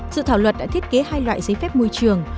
dự thảo luật đã thiết kế hai loại giấy phép môi trường